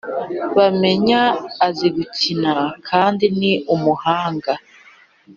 Bamenya azigukina kndi ni umuhanga